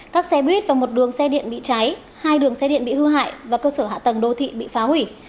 các xe buýt và một đường xe điện bị cháy hai đường xe điện bị hư hại và cơ sở hạ tầng đô thị bị phá hủy